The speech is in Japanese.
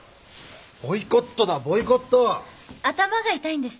ボイコットだボイコット！頭が痛いんですって。